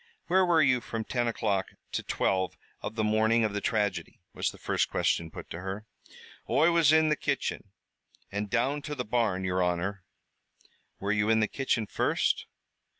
"Where were you from ten o'clock to twelve of the morning of the tragedy?" was the first question put to her. "Oi was in the kitchen, an' down to the barn, yer honor." "Were you in the kitchen first."